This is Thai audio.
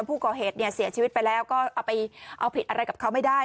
ผู้ก่อเหตุเนี่ยเสียชีวิตไปแล้วก็เอาไปเอาผิดอะไรกับเขาไม่ได้